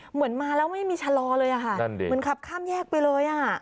เหมือนมาแล้วไม่มีชะลอเลยอะค่ะนั่นดิเหมือนขับข้ามแยกไปเลยอ่ะ